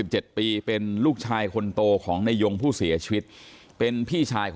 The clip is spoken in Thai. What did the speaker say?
ตอนนั้นเขาก็เลยรีบวิ่งออกมาดูตอนนั้นเขาก็เลยรีบวิ่งออกมาดู